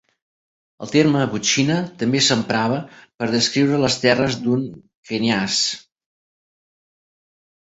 El terme "votchina" també s'emprava per descriure les terres d'un kniaz.